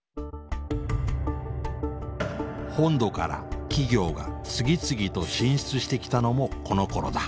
本土から企業が次々と進出してきたのもこのころだ。